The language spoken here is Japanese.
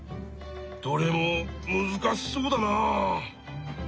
どれもむずかしそうだな。